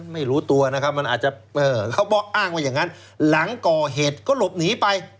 หลังก่อเหตุก็หลบหนีไป